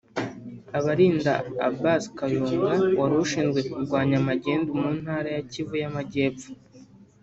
abarinda Abbas Kayonga wari ushinzwe kurwanya magendu mu Ntara ya Kivu y’Amajyepfo